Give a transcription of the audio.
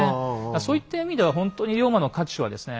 そういった意味では本当に龍馬の価値はですね